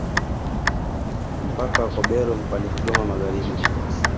Mpaka wa Kobero mkoani Kigoma Magharibi mwa nchi